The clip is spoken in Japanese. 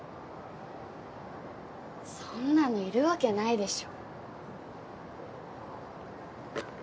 そんなのいるわけないでしょ。